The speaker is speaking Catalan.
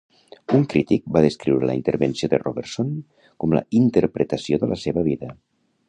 Un crític va descriure la intervenció de Robertson com "la interpretació de la seva vida".